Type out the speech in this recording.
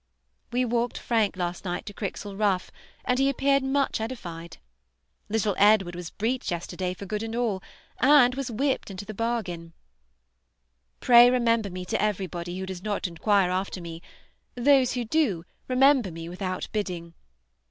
We walked Frank last night to Crixhall Ruff, and he appeared much edified. Little Edward was breeched yesterday for good and all, and was whipped into the bargain. Pray remember me to everybody who does not inquire after me; those who do, remember me without bidding.